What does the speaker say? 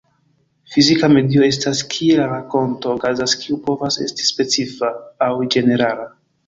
Fizika medio estas kie la rakonto okazas, kiu povas esti specifa aŭ ĝenerala.